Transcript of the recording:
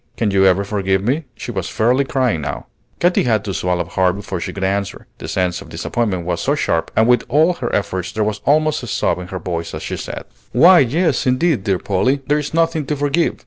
Can you ever forgive me?" She was fairly crying now. Katy had to swallow hard before she could answer, the sense of disappointment was so sharp; and with all her efforts there was almost a sob in her voice as she said, "Why yes, indeed, dear Polly, there is nothing to forgive.